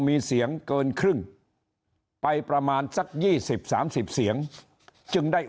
มีเสียงเกินครึ่งไปประมาณสักยี่สิบสามสิบเสียงจึงได้